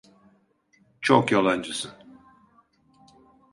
Çok yalancısın.